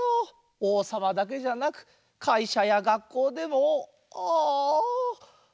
王様だけじゃなくかいしゃやがっこうでもあ。